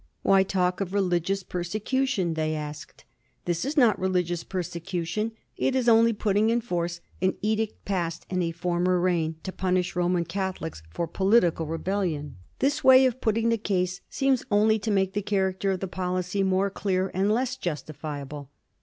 Why talk of religious persecution ? they asked. This is not religious persecution ; it is only putting in force an edict passed in a former reign to punish Roman Catholics for political rebellion. This way of putting the case seems only to make the character of the policy more dear and less justifiable.